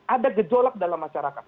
ada gejolak dalam masyarakat